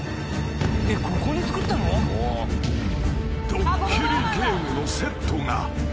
［ドッキリゲームのセットが］